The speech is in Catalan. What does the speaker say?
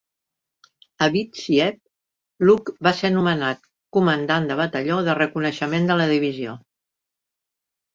A Vítsiebsk, Luck va ser nomenat comandant del batalló de reconeixement de la divisió.